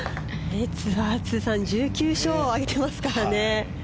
ツアー通算１９勝を挙げてますからね。